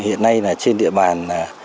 hiện nay là trên địa bàn